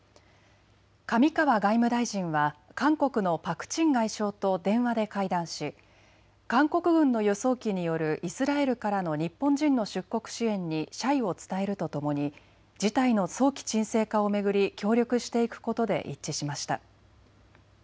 上川外務大臣は韓国のパク・チン外相と電話で会談し韓国軍の輸送機によるイスラエルからの日本人の出国支援に謝意を伝えるとともに事態の早期沈静化を巡り協力していくことで一致しました。